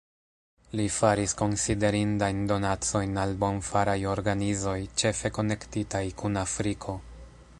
Li faris konsiderindajn donacojn al bonfaraj organizoj, ĉefe konektitaj kun Afriko.